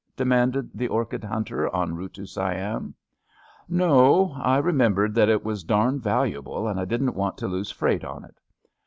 *' demanded tha orchid hunter en route to Siam. "" No; I remembered that it was dam valuable, and I didn't want to lose freight on it.